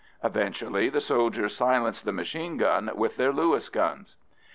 Eventually the soldiers silenced the machine gun with their Lewis guns.